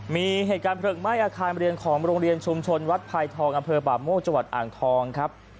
มีเหตุการณ์เพลิงไหม้อาคารเรียนของโรงเรียนชุมชนวัดพายทองอำเภอป่าโมกจังหวัดอ่างทองครับ